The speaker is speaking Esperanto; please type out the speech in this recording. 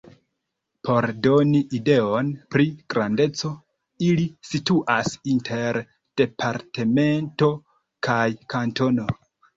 Por doni ideon pri grandeco, ili situas inter departemento kaj kantono.